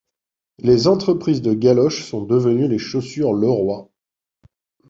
Les entreprises de galoches sont devenues les chaussures Le Roy.